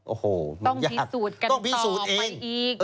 โอ้โหยักษ์ต้องพิสูจน์กันต่อมายีก